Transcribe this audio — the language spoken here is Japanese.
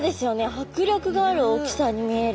迫力がある大きさに見える。